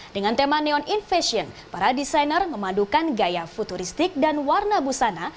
dengan tema neon in fashion para desainer memadukan gaya futuristik dan warna busana